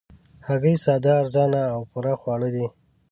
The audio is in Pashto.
هګۍ ساده، ارزانه او پوره خواړه دي